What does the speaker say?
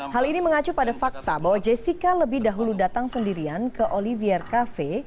hal ini mengacu pada fakta bahwa jessica lebih dahulu datang sendirian ke olivier cafe